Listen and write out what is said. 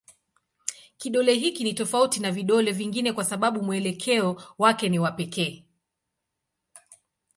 Kidole hiki ni tofauti na vidole vingine kwa sababu mwelekeo wake ni wa pekee.